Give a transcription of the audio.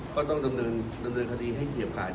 ก็ต้องดำเนินคดีให้เขียบขาย